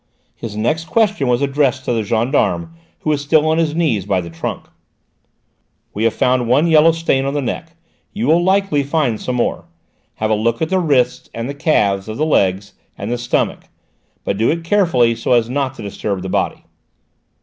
His next question was addressed to the gendarme who was still on his knees by the trunk. "We have found one yellow stain on the neck; you will very likely find some more. Have a look at the wrists and the calves of the legs and the stomach. But do it carefully, so as not to disturb the body."